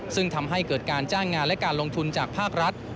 ซึ่งทำให้เกิดการจ้างงานและการลงทุนจากภาครัฐ